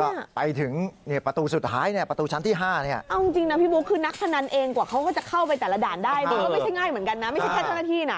ก็ไม่ใช่ง่ายเหมือนกันนะไม่ใช่แค่เจ้าหน้าที่นะ